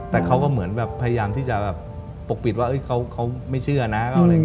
แต่เขาก็เหมือนพยายามที่จะปกปิดว่าเขาไม่เชื่อนะ